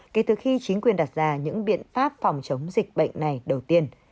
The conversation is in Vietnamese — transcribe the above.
kể từ khi chính quyền đặt ra những biện pháp phòng chống dịch bệnh này đầu tiên